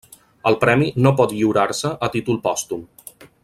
El premi no pot lliurar-se a títol pòstum.